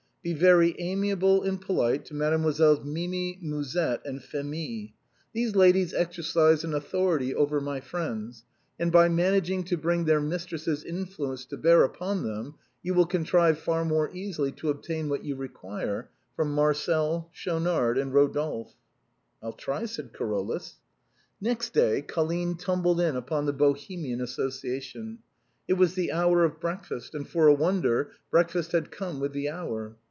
" Be very amiable and polite to Mademoiselles Mimi, Musette and Phémie; these ladies exercise an authority over my friends, and by managing to bring their mistress' influence to bear upon them you will contrive far more easily to obtain what you require from Marcel, Schaunard and Rodolphe." " I'll try," said Carolus. Next day, Colline tumbled in upon the Bohemian as sociation. It was the hour of breakfast, and, for a wonder, breakfast had come with the hour.